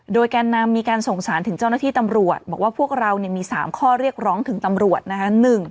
โดยแกนนำมีการส่งสารถึงเจ้าหน้าที่ตำรวจบอกว่าพวกเรามี๓ข้อเรียกร้องถึงตำรวจนะคะ